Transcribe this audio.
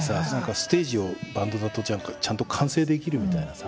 ステージをバンドだとちゃんと完成できるみたいなさ。